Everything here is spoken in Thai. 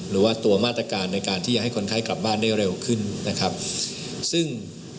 หรือว่าตัวมาตรการในการที่จะให้คนไข้กลับบ้านได้เร็วขึ้นนะครับซึ่ง